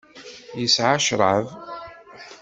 Yesɛa ccṛab.